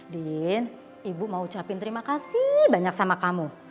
din ibu mau ucapin terima kasih banyak sama kamu